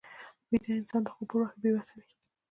ویده انسان د خوب پر وخت بې وسه وي